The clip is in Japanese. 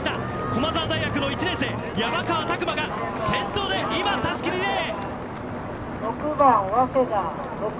駒澤大学の１年生山川拓馬が先頭でたすきリレー！